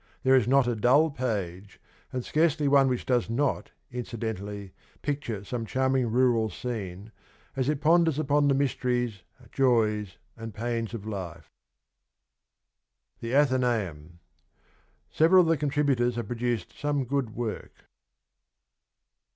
There is not a dull page, and scarcely one which does not, incidentally, picture some charming rural scene, as it ponders upon the mysteries, joys, and pains of life. THE ATHENAEUM. Several of the contributors have produced some good work.